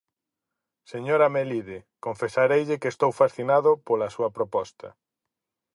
Señora Melide, confesareille que estou fascinado pola súa proposta.